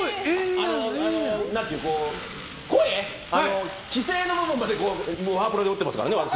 声、奇声の部分までワープロで打ってますからね。